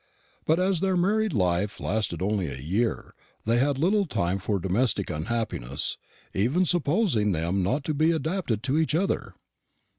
But as their married life lasted only a year, they had little time for domestic unhappiness, even supposing them not to be adapted to each other.